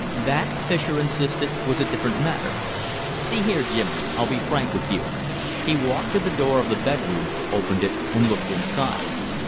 "That," Fischer insisted, "was a different matter. See here, Jimmy, I'll be frank with you." He walked to the door of the bedroom, opened it, and looked inside.